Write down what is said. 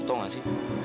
tau gak sih